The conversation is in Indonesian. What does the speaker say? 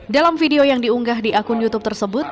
dalam video yang diunggah di akun youtube tersebut